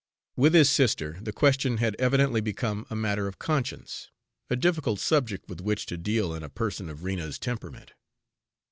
With his sister the question had evidently become a matter of conscience, a difficult subject with which to deal in a person of Rena's temperament.